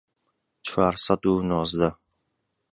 چوار سەد و نۆزدە